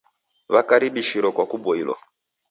Wakaribishiro kwa kuboilwa.